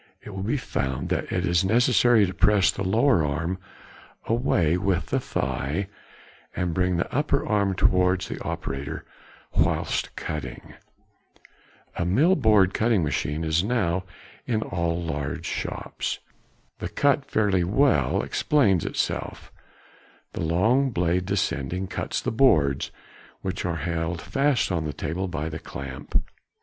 It will be found that it is necessary to press the lower arm away with the thigh, and bring the upper arm towards the operator whilst cutting. [Illustration: Mill board Machine.] A mill board cutting machine is now in all large shops. The cut fairly well explains itself; the long blade descending cuts the boards, which are held fast on the table by the clamp.